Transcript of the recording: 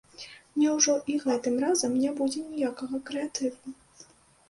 Няўжо і гэтым разам не будзе ніякага крэатыву?